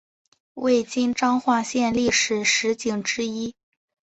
为今彰化县历史十景之一。